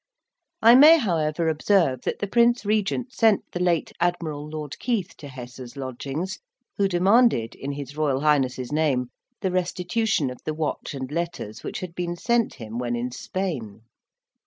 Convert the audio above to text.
I may, however, observe that the Prince Regent sent the late Admiral Lord Keith to Hesse's lodgings, who demanded, in his Royal Highness's name, the restitution of the watch and letters which had been sent him when in Spain.